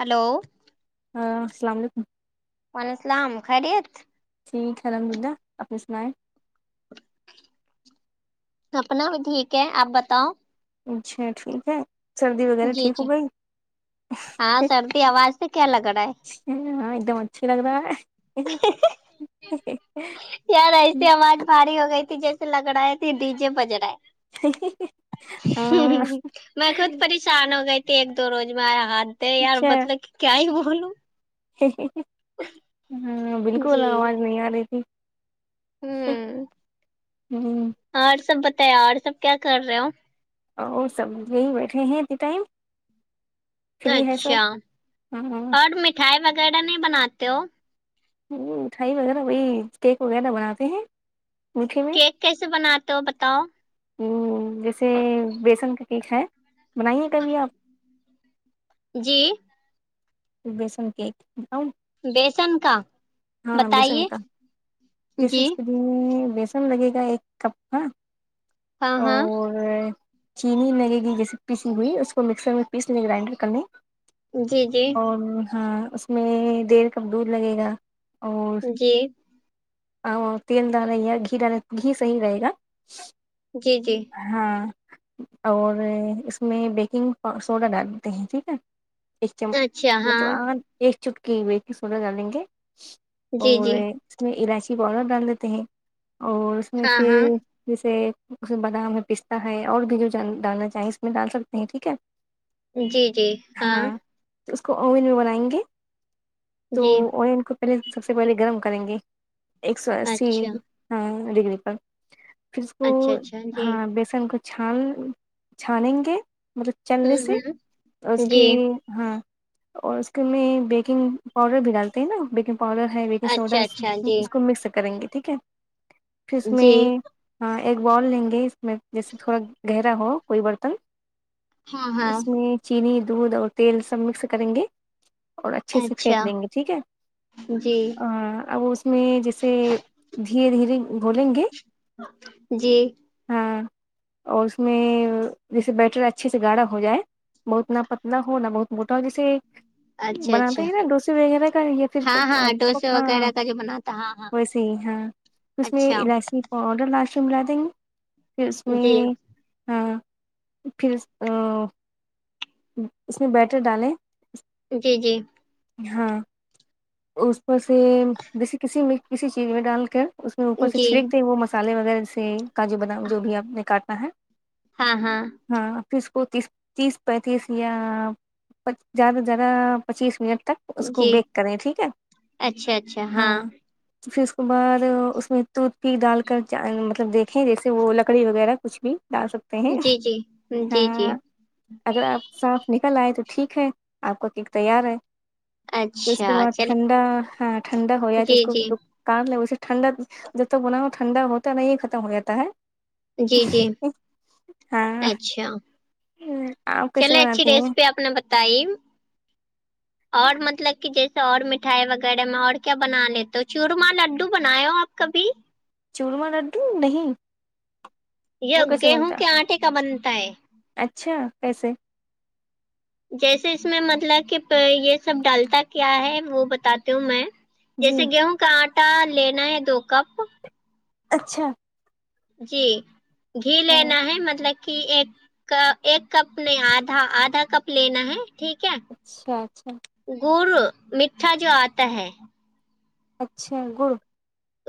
hello ہاں السلام علیکم وعلیکم السلام خیریت ٹھیک ہے الحمدللہ آپنی سنایں اپنا ٹھیک ہے آپ بتاؤ اچھا ٹھیک ہے سردی وغیرہ جی ٹھیک ہو جی گئی ہاں سردی آواز سے کیا لگ رہا ہے ہاں ایک دم اچھی لگ رہا ہے یار ایسی آواز بھاری ہو گئی تھی جیسے لگ رہا ہے ڈیجے بج رہا ہے ہاں میں خود پریشان ہو گئی تھی ایک دو روز میں حد یار مطلب کہ کیا ہی بولوں ھمم بالکل جی آواز نہیں آ رہی تھی ہوں ہوں، اور سب بتائیں اور سب کیا کر رہے ہو اور سب یہی بیٹھے ہیں اتنی ٹائم فری ہے سب اچھا ہاں اور مٹھائی وغیرہ نہیں بناتے ہو ہوں مٹھائی وغیرہ وہی کیک وغیرہ بناتے ہیں میٹھے میں کیک کیسے بناتے ہو بتاؤ جیسے بیسن کا کیک ہے بنائی ہے کبھی آپ جی بیسن کیک بیسن کا ہاں بیسن بتائیے کا جی [unintelligible] بیسن لگے گا ایک کپ کا اور ہاں ہاں اور چینی لگے گی جیسیے پیسی ہوئی اس کو مکسر میں پیس لیجے گرائنڈر کرنے جی جی اور ہاں اس میں دیر کب دور لگے گا اور جی ا تیل ڈالا گھی ڈالا گھی صحیح رہے گا جی جی ہاں اور اس میں بیکنگ سوڈا ڈال دیتے ہیں ٹھیک ہے ایک چم اچھا مطلب ہاں آ ایک چٹ کی بیھ کے سنا جالیں گے جی اور جی اس میں الائچی پاؤڈر ڈال دیتے ہیں اور اس میں ہاں ہاں پھر جیسے اس میں بادام ہے پستہ ہے اور بھی جو ڈالنا چاہیں اس میں ڈال سکتے ہیں ٹھیک ہے جی جی ہاں تو اس کو اوون میں بنائیں گے تو جی اوون کو پہلے سب سے پہلے گرم کریں گے ایک سو اسی اچھا ہاں ڈگری پر پھر اچھا اچھا جی ان کو چھان چھانیں گے مطلب چلنے ہوں سے ہوں اور اس جی کی ہاں اور اس کے میں بیکنگ پاؤڈر بھی ڈالتے ہیں نا بیکنگ پاؤڈر ہے بیکنگ سوڈا اچھا اچھا جی اس کو مکس کریں گے ٹھیک ہے پھر اس میں جی ایک بال لیں گے اس میں جیسے تھوڑا گہرا ہو کوئی برتن ہاں ہاں اس میں چینی دودھ اور تیل سب مکس کریں گے اور اچھے سے پھینک اچھا دیں گے ٹھیک ہے جی اب اس میں جیسے دھیرے دھیرے بولیں گے جی ہاں اور اس میں جیسے بیٹری اچھے سے گاڑا ہو جائے بہت نہا پتلا ہو نہ بہت مو جسے اچھا بناتا اچھا ہے نا ڈوسیے وغیرہ کا یا پھر ہاں ہاں ڈوسے وغیرہ کا جو بناتا ہاں ہاں ویسے ہی ہاں اس میں اچھا الائچی آڈر لاس میں ملا دیں گے پھر اس میں جی ہاں پھر اس میں بیٹ ڈالیں جی جی ہاں اسپر سے جسی کسی میں کسی چیز میں ڈال کر اس میں اوپر سے جی چھینک دیں وہ مس مصالے وغیرہ سے کا جو بنا جو بھی آپ نے کاٹنا ہے ہاں ہاں ہاں پ اس کو تیس تیس پینتیس یا پ زیادہ سے زیادہ پچیس منٹ تک اس کو جی بیک کریں ٹھیک ہے اچھا اچھا ہاں پھر اس کے بعد اس میں دودھ پ ڈال کر مطلب دیکھ جیسے وہ لکڑی وغیرہ کچھ بھی ڈال سکتے ہیں جی جی جی جی ہوں اگر آپ صاف نکل آئے تو ٹھیک ہے آپ کا کیک تیار ہے پھر اس کے اچھا بعد چل ٹھنڈا ہاں ٹھنڈا ہو جائے تو اس جی کو جی کار ل اسے ٹھنڈا جب تک بنا ہو ٹھنڈا ہوتا ہے نہیں ختم ہو جاتا ہے جی جی ہاں اچھا آپ کیسے چلے اچھی بناتی ہیں ریسیپی آپ نے بتائی اور مطلب کہ جیسے اور مٹھائی وغیرہ میں اور کیا بنا ل تو چورمہ لڈو بنائے ہو آپ کبھی چوورما لڈو نہیں یہ وہ کیسے گیہوں بنتا کے آٹے کا بنتا ہے اچھا کیسے جیسے اس میں مطلب کہ یہ سب ڈالتا کیا ہے وہ بتاتی ہوں میں جی جیسے گیہوں کا آٹا لینا ہے دو کپ اچھا جی گھی ہاں لینا ہے مطلب کی ایک ایک کپ نہیں آدھا آدھا کپ لینا ہے ٹھیک ہے اچھا اچھا گڑ میٹھا جو آتا ہے اچھا گڑ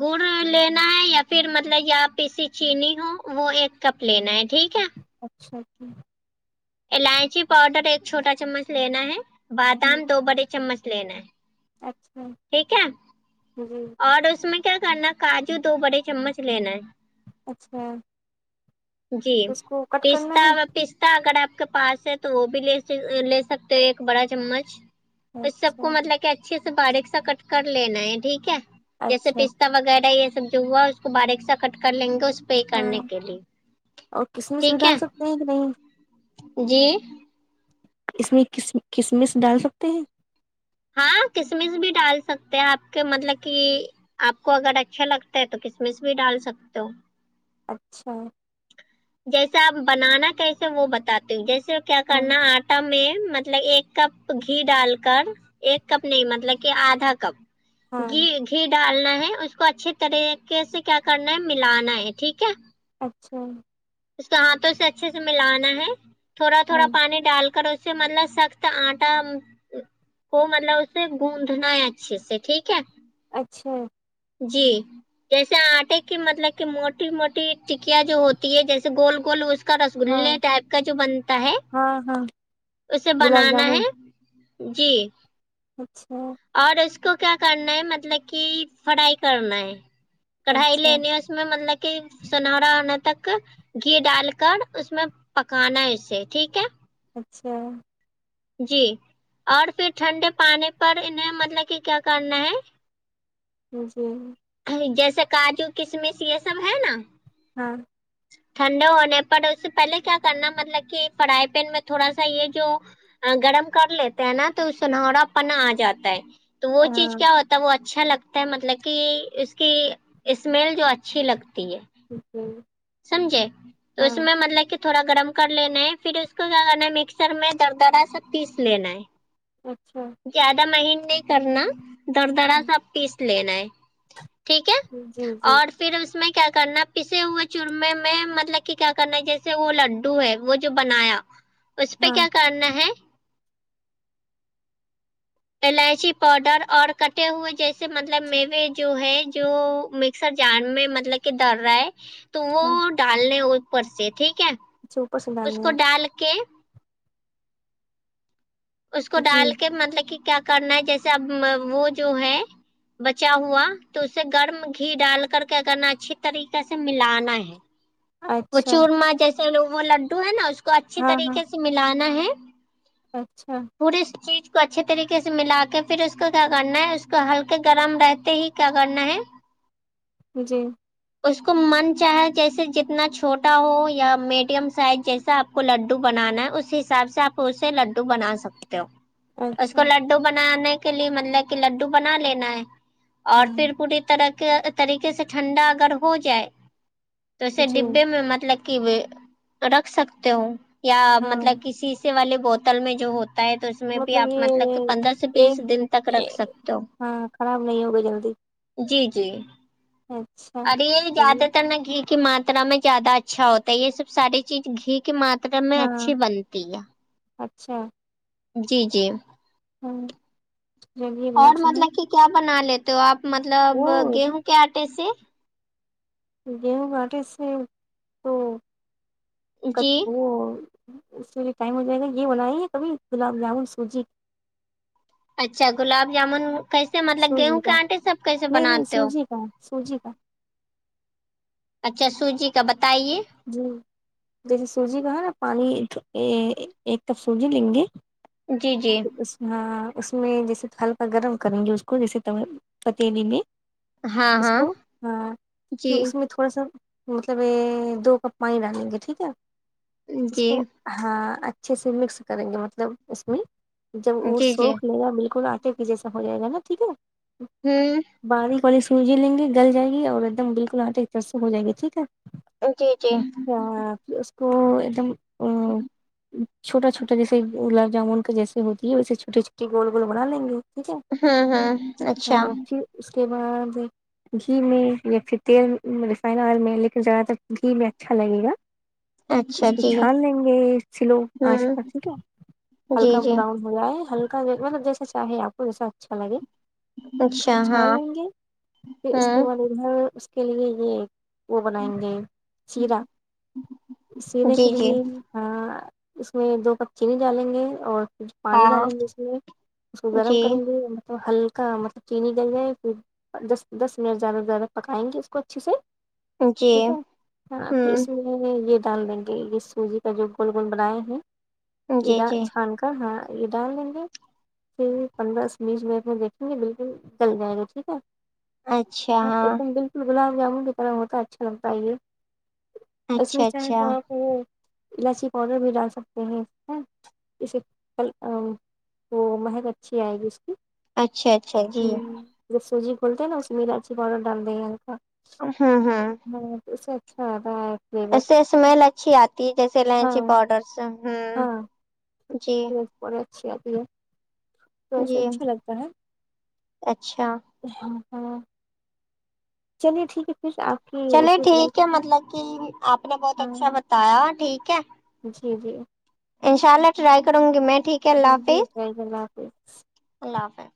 گڑ لینا ہے یا پھر مطلب یا پیسیی چینی ہو وہ ایک کپ لینا ہے ٹھیک ہے اچھا جی الائچی پاؤڈر ایک چھوٹا چمچ لینا ہے بادام دو بڑے چمچ لینا ہے اچھا ٹھیک ہے اور اس میں کیا کرنا کاجو دو بڑے چمچ لینا ہے اچھا جی تو اس کو کٹ کرنا پستا ہے و پستا اگر آپ کے پاس ہے تو وہ بھی لے سکتے ہیں ایک بڑا چمچ تو سب اچھا کو مطلب کہ اچھے سے باریک سا کٹ کر لینا ہے ٹھیک ہے جیسے اچھا پستا وغیرہ یہ سب جو ہوا اس کو باریک سا کٹ کر لیں گے اس پے کرنے ہاں کے لیے اور کسمش بھی ٹھیک ہے ڈال سکتے ہیں کہ نہیں جی اس میں کس کسمش ڈال سکتے ہیں ہاں کسمش بھی ڈال سکتے آپ کے مطلب کی آپ کو اگر اچھا لگتا ہے تو کسمس بھی ڈال سکتے ہو اچھا جیسے آپ بنانا کیسے وہ بتاتے جیسے کیا ہاں کرنا آپ آٹا میں مطلب ایک کپ گھی ڈال کر ایک کپ نہیں مطلب کہ آدھا کپ ہاں گھی گھی ڈالنا ہے اس کو اچھے طریقے سے کیا کرنا ہے ملانا ہے ٹھیک ہے اچھا اس کو ہاتھوں سے اچھے سے ملانا ہے تھوڑا تھوڑا ہاں پانی ڈال کر سے مطلب سخت آٹا وہ مطلب اسے گوندھنا ہے اچھے سے ٹھیک ہے اچھا جی جیسے آٹے کی مطلب کہ موٹی موٹی ٹکیاں جو ہوتی ہے جیسے گول گول اس ہاں رسگللے ٹائپ کا جو بنتا ہے ہاں ہاں اسے گلاب بنانا جامن ہے جی اچھا اور اس کو کیا کرنا ہے مطلب کی فرائی کرنا ہے کڑھائی اچھا لینے اس میں مطلب کہ سنہرا ہونے تک گھی ڈال کر اس میں پکانا ہے اسے ٹھیک ہے اچھا جی اور پھر ٹھنڈے پانی پر انہیں مطلب کی کیا کرنا ہے جی جیسے کاجو کشمش یہ سب ہے نا ہاں چ [inaudible] ٹھنڈے ہونے پر اس سے پہلے کیا کرنا مطلب کہ فرائی پین میں تھوڑا سا یہ جو گرم کر لیتے ہیں نا تو سنہرا پنا آجاتا ہے تو وہ چیز ہاں کیا ہوتا ہے وہ اچ چھا لگتا ہے مطلب کی اس کی اسمیل جو اچھی لگتی ہے جی سمجھے تو ہاں اس میں مطلب کی تھوڑا گرم کر لینا ہے پھر اس کو کیا کرنا ہے مکسر میں در درا سہ پیس لینا ہے اچھا زیادہ مہین نہیں کرنا در درا سا پیس لینا ہے ٹھیک ہے جی جی اور پھر اس میں کیا کرنا پیسے ہوئے چورمے میں مطلب کی کیا کرنا ہے جیسے وہ لڈو ہے وہ جو بنایا اس پے ہاں کیا کرنا ہے الائچی پاؤڈر اور کٹے ہوئے جیسے مطلب میوے جو ہے جو سا جار میں مطلب کی ڈر رہا ہے تو وہ ہاں ڈالنے ہے اوپر سے ٹھیک ہے اچھا اوپر سے اس ڈالنی کو ہے ڈال کے اس کو جی ڈال کے مطلب کی کیا کرنا ہے جیسے اب وہ جو ہے بچا ہوا تو اسے گرم گھی ڈال کر کے انا اچھی طریقے سے ملانا ہے وہ اچھا چورمہ جیسے وہ لڈو ہے نا اس کو اچھی ہاں ہاں طریقے سے ملانا ہے اچھا پوری اس چیز کو اچھے طریقے سے ملا کے پھر اس کو کیا کرنا ہے اس کو ہلکے گرم رہتے ہی کیا کرنا ہے جی اس کو من چاہے جیسے جت تنا چھوٹا ہو یا میڈیم سائز جیسا آپ کو لڈو بنانا ہے اس حساب سے آپ لڈو بنا سکتے ہو اس کو اچھا لڈو بنانے کے لیے مطلب کہ لڈو بنا لینا ہے اور پھر ہاں پوری طرح کے طریقے سے ٹھنڈا اگر ہو جائے تے جی ڈبے میں مطلب کی رکھ سکتے ہو یا ہاں مطلب کی شیصے والے بوتل میں جو ہوتا ہے تو اس میں بھی آپ مطلب کہ یہ پندرہ سے بیس دن تک رکھ ایک سکتے ہو ہاں خراب نہیں ہوگا جلدی جی جی اچھا اگلے ہی چلیے زیادہ تر نہ گھی کی مات ترا میں زیادہ اچھا ہوتا ہے یے سب ساری چیز گھی کی ماترا میں ہاں اچھی بنتی ہے اچھا جی جی ہاں جب یہ اور بناتے ہیں مطلب کی کیا بنا لیت تے ہو آپ مطلب وہ گیہوں کے آٹے سے گیہو کے اٹے سے تو جی کچ وہ اس کے لیے ٹائم ہو جائے گا یے بنائیے کبھی گلاب جامن سوجی اچھا گلاب جامن کیسے مطلب سوجی گیہوں کے کا آٹے سے آپ کیسے نہیں نہیں بناتے ہو سوجی کا سوجی کا اچھا سوجی کا بتائیے جی جیسے سوجی کا ہے نا پانی ایک کپ سوجی لیں گے جی جی پھر اس ہاں اس میں جیسے ہلکا گرم کریں گے اس کو جیسے توے پتیلیے میں ہاں اس ہاں کو ہاں پھر جی اس میں تھوڑا سا مطلب یے دو کپ پانی ڈالیں گے ٹھیک ہے اس کو جی ہاں اچھے سے مکس کریں گے مطلب اس کو ہی جب وہ جی جی سوکھ لے گا بالکل ٹے کہ جیسا ہو جائے گا نا ٹھیک ہے ہمم باریک والی سوجی لیں گے گل جائے گی اور ایک دم بالکل آٹے ایک طرح سے ہو جائے گی ٹھیک ہے جی جی یا پھر اس کو ایک دم چھوٹا چھوٹا جیسے گلاب جامن کا جیسے ہوتی ہے ویسے چھوٹے چھوٹے گول گول بنا لیں گے ٹھیک ہے ہوں ہوں اچھا ہاں، پھر اس کے بعد گھی میں یا پھر تیل ریفائن آئل میں لیکن زیادہ تر گھی میں اچھا لگے گا اچھا اس کو جی چھان لیں گے سلو آچ ہوں پے ٹھیک ہے جی ہلکا جی براؤنڈ بلا ہے ہلکا مطلب جیسا چاہے آپ کو جیسا اچھا لگے اس کو اچھا چھان ہاں لیں گے فیر اس کے ہوں بعد ادھر اس کے لیے یے وہ بنائیں گے چیرا سیرے کے جی لے جی ہاں اس میں دو کپ چینی ڈالیں گے اور پھر پانی ہاں ڈالیں گے اس لیے اس کو گرم جی کریں گے مطلب ہلکا مطلب چینی گل جائے فیر دس دس منٹ زیادہ سے زیادہ پکائیں گے اس کو اچھے سے جی آ پھر اس ہوں میں یے ڈال دیں گے یے سوزی کا جو گول گول بنایا ہے جی جی چھان کا ہاں دالیں گے فیر پندرہ سے بیس مینٹ میں دیکھیں گے بالکل گل جائے گا ٹھیک ہے ہاں ایک دم بالکل گلاب جامن کا طرح ہوتا ہے اچھا لگتا ہے یے اس میں اچھا چاہے اچھا تو آپ الائچی پاؤڈر بھی ڈال سکتے ہیں وہ مہک اچھی آئے گی اس کی اچھا اچھا جی جب سوجی کھولتے ہیں نا اس میں الائچی پاؤڈر ڈال دیں ہوں ہوں اچھا اب اپ اس سے اسمیل اچھی آتی ہے جیسے ہاں لائنچی پاؤڈرس سے ہاں جی اچھی آتی ہے تو اسے جی اچھا لگتا ہے اچھا ہاں ہاں چلیے ٹھیک ہے فیر آپ کی چلے ریسیپی ٹھیک ہے بتائی مطلب کی آپ نے بہت اچھا ہاں بتایا ٹھیک ہے جی جی انشاء اللہ ٹرائی کروں گی میں ٹھیک ہے اللہ جی حافظ اللہ حافظ اللہ حافظ